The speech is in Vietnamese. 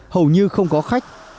hầu như không có khách